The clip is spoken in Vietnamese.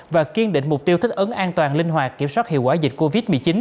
và kiên định mục tiêu thích ứng an toàn linh hoạt kiểm soát hiệu quả dịch covid một mươi chín